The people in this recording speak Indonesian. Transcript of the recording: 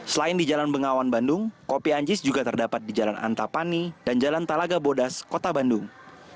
selain di jalan bengawan bandung kopi anjis juga terdapat di jalan antapani dan jalan talaga bodas kota bandung